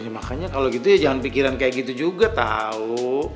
makanya kalo gitu jangan pikiran kayak gitu juga tau